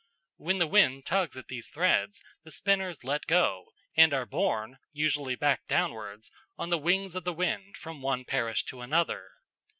When the wind tugs at these threads, the spinners let go, and are borne, usually back downwards, on the wings of the wind from one parish to another.